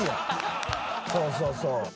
そうそうそう。